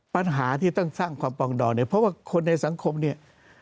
ปัญหาที่ต้องสร้างความปองดองเนี่ยเพราะว่าคนในสังคมเนี่ย